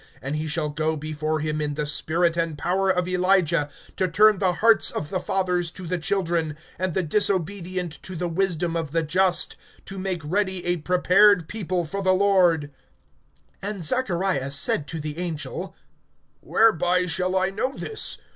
(17)And he shall go before him in the spirit and power of Elijah, to turn the hearts of the fathers to the children, and the disobedient to the wisdom of the just; to make ready a prepared people for the Lord. (18)And Zachariah said to the angel: Whereby shall I know this?